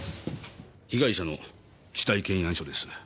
被害者の死体検案書です。